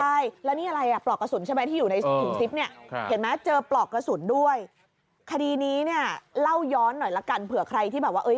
ใช่แล้วนี่อะไรอ่ะปลอกกระสุนใช่ไหมที่อยู่ในถุงจิบเนี่ย